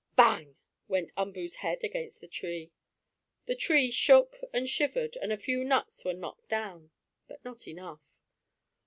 "Bang!" went Umboo's head against the tree. The tree shook and shivered, and a few nuts were knocked down, but not enough.